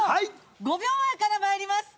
５秒前から参ります。